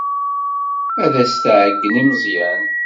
Ad as-tɛeyyen i Meẓyan.